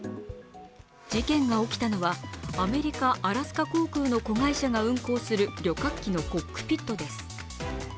事件が起きたのはアメリカ・アラスカ航空の子会社が運航する旅客機のコックピットです。